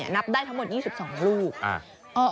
มือของพระพิธานเนศแล้วก็เลยนับลูกผลกล้วยนับได้ทั้งหมด๒๒ลูก